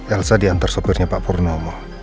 elsa diantar sopirnya pak purnomo